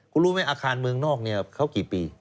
คุณรู้ไหมอาคารเมืองนอกเนี่ยเขากี่ปี